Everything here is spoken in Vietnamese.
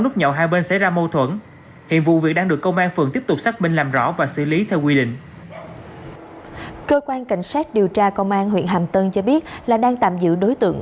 cơ quan cảnh sát điều tra công an huyện hàm tân cho biết là đang tạm giữ đối tượng